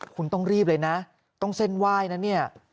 คุณต้องรีบเลยนะต้องเส้นไหว้นะเนี่ย